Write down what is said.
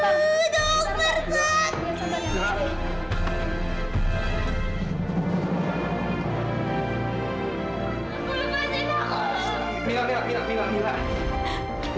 maaf pak silahkan keluar pak